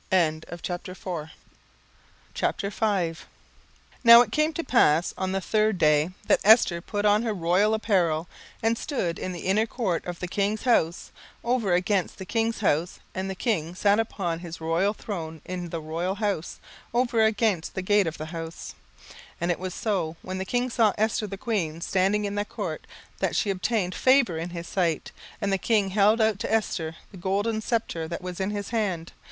17:005:001 Now it came to pass on the third day, that Esther put on her royal apparel, and stood in the inner court of the king's house, over against the king's house: and the king sat upon his royal throne in the royal house, over against the gate of the house. 17:005:002 And it was so, when the king saw Esther the queen standing in the court, that she obtained favour in his sight: and the king held out to Esther the golden sceptre that was in his hand.